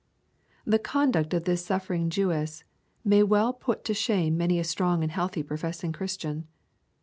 The conduct of this suffering Jewess may well put to shame many a strong and healthy professing Christian.